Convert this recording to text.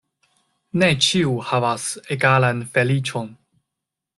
Ne ĉiu havas egalan feliĉon.